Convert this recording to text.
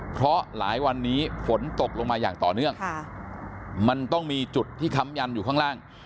เพราะหลายวันนี้ฝนตกลงมาอย่างต่อเนื่องมันต้องมีจุดที่ค้ำยันอยู่ข้างล่าง